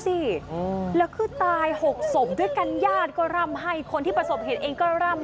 สิแล้วคือตายหกศพด้วยกันญาติก็ร่ำให้คนที่ประสบเหตุเองก็ร่ำ